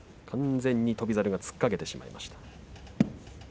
完全に翔猿が突っかけてしまいました。